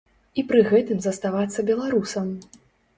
І пры гэтым заставацца беларусам.